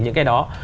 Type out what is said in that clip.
những cái đó